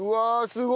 すごい！